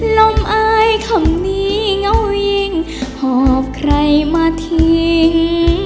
ลมอายคำนี้เงายิ่งหอบใครมาทิ้ง